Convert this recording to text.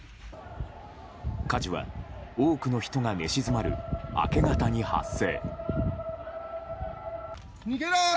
火事は多くの人が寝静まる明け方に発生。